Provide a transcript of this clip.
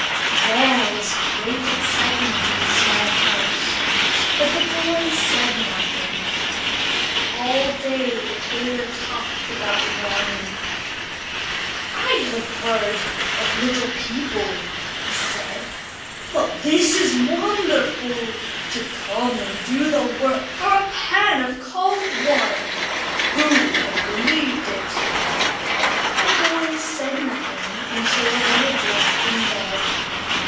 There was great excitement in the small house, but the boys said nothing. All day the tailor talked about the brownie. "I have often heard of Little People," he said, "but this is wonderful. To come and do the work for a pan of cold water! Who would have believed it?" The boys said nothing until they were both in bed.